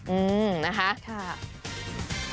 อืมนะคะ